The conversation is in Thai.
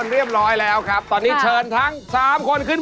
ดีมากดีมาก